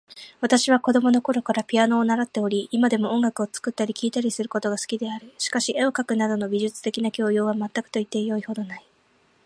私は子供のころからピアノを習っており、今でも音楽を作ったり聴いたりすることが好きである。しかし、絵を描くなどの美術的な教養は全くと言ってよいほどない。